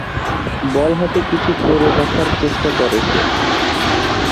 বল হাতে কিছু করে দেখার চেষ্টা করে সে।